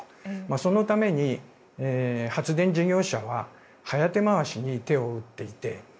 そのために、発電事業者は早手回しに手を打っていて。